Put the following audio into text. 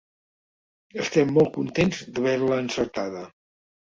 Estem molt contents d’haver-la encertada.